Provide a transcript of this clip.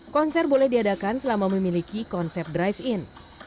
konser boleh diadakan selama memiliki konsep drive in